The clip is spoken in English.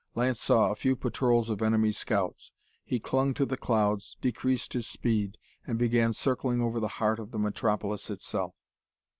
Lance saw a few patrols of enemy scouts; he clung to the clouds, decreased his speed, and began circling over the heart of the metropolis itself.